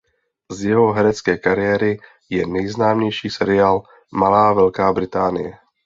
Z jeho herecké kariéry je nejznámější seriál "Malá Velká Británie".